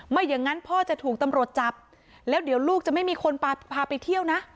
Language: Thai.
อย่างนั้นพ่อจะถูกตำรวจจับแล้วเดี๋ยวลูกจะไม่มีคนพาไปเที่ยวนะ